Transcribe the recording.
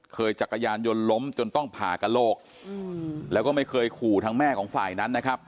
จักรยานยนต์ล้มจนต้องผ่ากระโหลกแล้วก็ไม่เคยขู่ทางแม่ของฝ่ายนั้นนะครับ